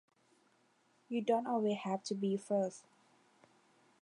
You don’t always have to be first.